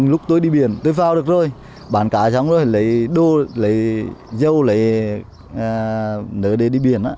lúc tôi đi biển tôi vào được rồi bán cá chóng rồi lấy đô lấy dâu lấy nửa để đi biển á